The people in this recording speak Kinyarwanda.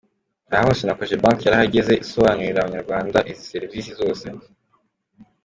Aha hose na Cogebanque yarahageze isobanurira Abanyarwanda izi serivisi zose.